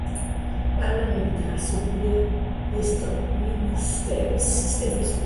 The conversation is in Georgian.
პარლამენტი დაარსებულია ვესტმინსტერის სისტემის მიხედვით.